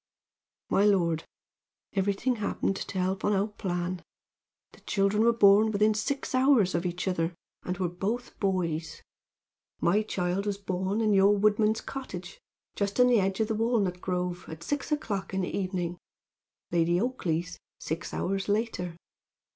"My lord, everything happened to help on our plan. The children were born within six hours of each other and were both boys. My child was born in your woodman's cottage, just in the edge of the walnut grove, at six o'clock in the evening, Lady Oakleigh's six hours later.